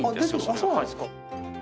あっそうなんですか。